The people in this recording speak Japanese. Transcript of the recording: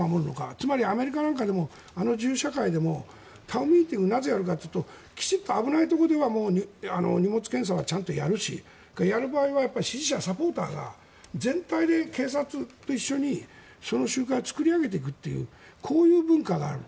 つまりアメリカなんかでもあの銃社会でもタウンミーティングをなぜやるかというときちんと危ないところでは荷物検査はちゃんとやるし、やる場合は支持者、サポーターが全体で警察と一緒にその集会を作り上げていくというこういう文化がある。